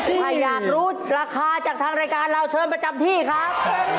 ถ้าอยากรู้ราคาจากทางรายการเราเชิญประจำที่ครับ